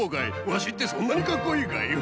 ワシってそんなにかっこいいかい？